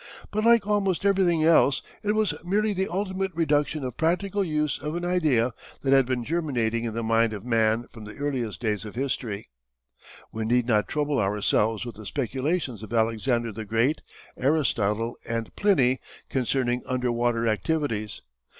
But like almost everything else it was merely the ultimate reduction to practical use of an idea that had been germinating in the mind of man from the earliest days of history. We need not trouble ourselves with the speculations of Alexander the Great, Aristotle, and Pliny concerning "underwater" activities.